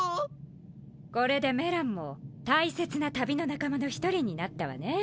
これでメランも大切な旅の仲間の一人になったわね。